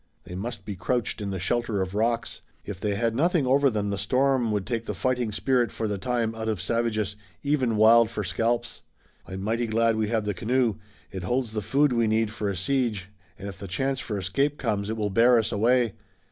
"They must be crouched in the shelter of rocks. If they had nothing over them the storm would take the fighting spirit for the time out of savages, even wild for scalps. I'm mighty glad we have the canoe. It holds the food we need for a siege, and if the chance for escape comes it will bear us away.